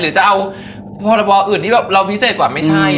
หรือจะเอาพอร์ตอบอ่อนอื่นที่เรามีพิเศษเกี่ยวอื่น